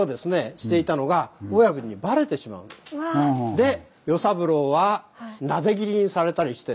で与三郎はなで斬りにされたりして。